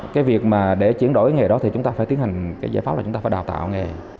cái việc mà để chuyển đổi cái nghề đó thì chúng ta phải tiến hành cái giải pháp là chúng ta phải đào tạo nghề